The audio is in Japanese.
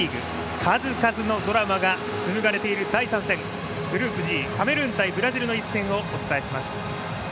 数々のドラマがつむがれている第３戦、グループＧカメルーン対ブラジルの一戦をお伝えします。